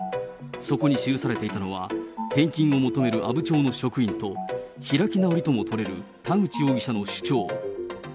そこに記されていたのは、返金を求める阿武町の職員と、開き直りとも取れる田口容疑者の主張。